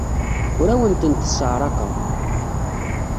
Ur awent-tent-sseɛraqeɣ.